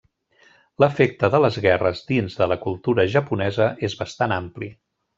L'efecte de les guerres dins de la cultura japonesa és bastant ampli.